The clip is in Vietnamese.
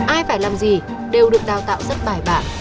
ai phải làm gì đều được đào tạo rất bài bản